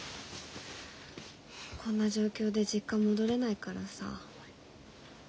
こんな状況で実家戻れないからさ。